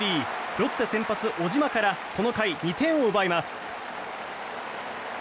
ロッテ先発、小島からこの回、２点を奪います。